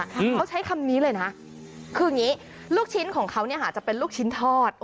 เขาใช้คำนี้เลยนะคืออย่างนี้ลูกชิ้นของเขาเนี่ยค่ะจะเป็นลูกชิ้นทอด